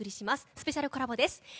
スペシャルコラボです。